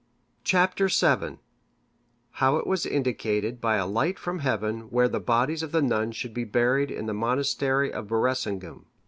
Chap. VII. How it was indicated by a light from heaven where the bodies of the nuns should be buried in the monastery of Berecingum.